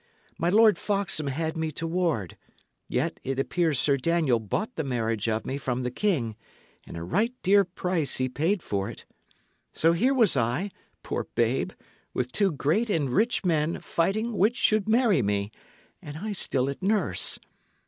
My Lord Foxham had me to ward; yet it appears Sir Daniel bought the marriage of me from the king, and a right dear price he paid for it. So here was I, poor babe, with two great and rich men fighting which should marry me, and I still at nurse!